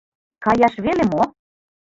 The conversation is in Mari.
Каяш веле мо?